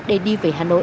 để đi về hà nội